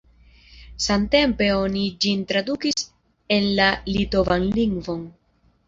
Samtempe oni ĝin tradukis en la litovan lingvon.